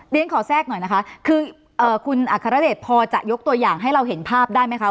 เรียนขอแทรกหน่อยนะคะคือคุณอัครเดชพอจะยกตัวอย่างให้เราเห็นภาพได้ไหมคะ